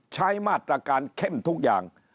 ใช้มาตรการเข้มทุกอย่าง